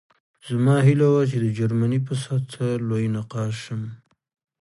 زما هیله وه چې د جرمني په سطحه لوی نقاش شم